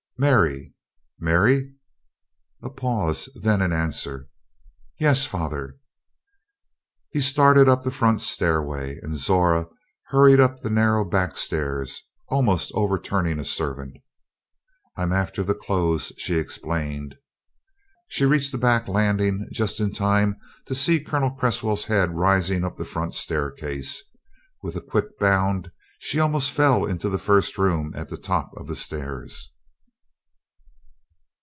"Mary! Mary?" A pause, then an answer: "Yes, father!" He started up the front stairway and Zora hurried up the narrow back stairs, almost overturning a servant. "I'm after the clothes," she explained. She reached the back landing just in time to see Colonel Cresswell's head rising up the front staircase. With a quick bound she almost fell into the first room at the top of the stairs.